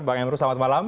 bang emrus selamat malam